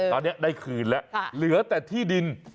ตอนนี้ได้คืนแล้วเหลือแต่ที่ดิน